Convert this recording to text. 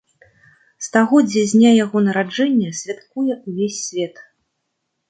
Стагоддзе з дня яго нараджэння святкуе ўвесь свет.